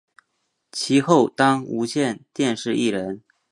其后当无线电视艺人。